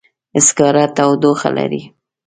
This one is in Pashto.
سکاره تودوخه لري.